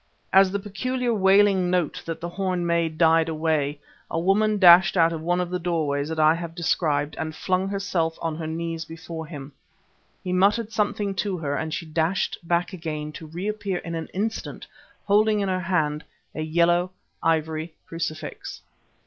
As the peculiar, wailing note that the horn made died away, a woman dashed out of one of the doorways that I have described and flung herself on her knees before him. He muttered something to her and she dashed back again to re appear in an instant holding in her hand a yellow ivory crucifix.